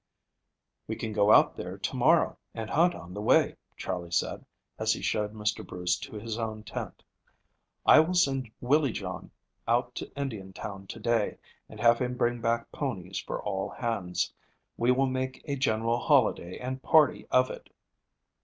"We can go out there to morrow, and hunt on the way," Charley said, as he showed Mr. Bruce to his own tent. "I will send Willie John out to Indiantown to day, and have him bring back ponies for all hands. We will make a general holiday and party of it."